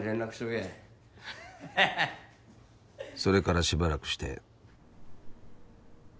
へへっそれからしばらくして。